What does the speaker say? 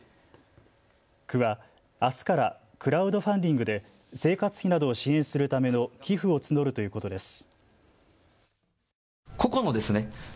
区はあすからクラウドファンディングで生活費などを支援するための寄付を募るということです。